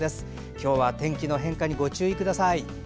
今日は天気の変化にご注意ください。